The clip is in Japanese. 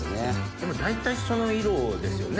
でも大体その色ですよね。